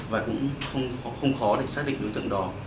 và cũng không khó để xác định đối tượng đó